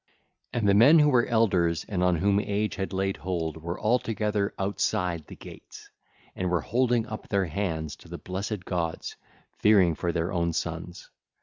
And the men who were elders and on whom age had laid hold were all together outside the gates, and were holding up their hands to the blessed gods, fearing for their own sons.